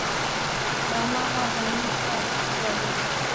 Ba mama banayuwaka bintu bya mingi